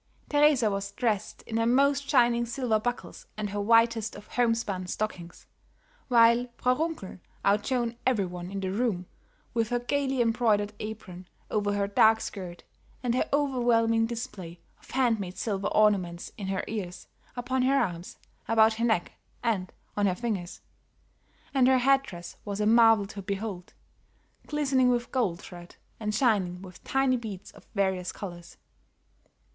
Teresa was dressed in her most shining silver buckles and her whitest of homespun stockings, while Frau Runkel outshone every one in the room with her gayly embroidered apron over her dark skirt, and her overwhelming display of hand made silver ornaments in her ears, upon her arms, about her neck, and on her fingers. And her head dress was a marvel to behold, glistening with gold thread and shining with tiny beads of various colors.